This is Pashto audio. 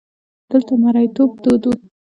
دلته مریتوب دود وو.